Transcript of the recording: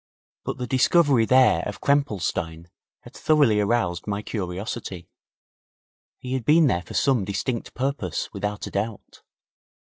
But the discovery there of Krempelstein had thoroughly aroused my curiosity. He had been there for some distinct purpose, without a doubt.